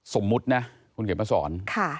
สมมตินะคุณเก็บมาสอน